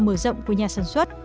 mở rộng của nhà sản xuất